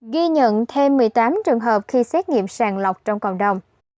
ghi nhận thêm một mươi tám trường hợp khi xét nghiệm sàng lọc trong cộng đồng